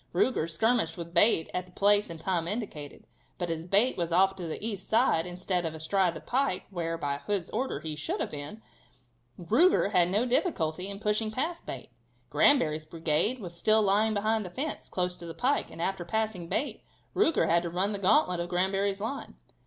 Ruger skirmished with Bate at the place and time indicated, but as Bate was off to the east side, instead of astride the pike, where, by Hood's order he should have been, Ruger had no difficulty in pushing past Bate. Granbury's brigade was still lying behind the fence, close to the pike, and after passing Bate, Ruger had to run the gantlet of Granbury's line.